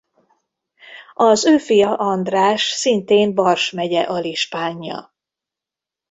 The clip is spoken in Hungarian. Az ő fia András szintén Bars megye alispánja.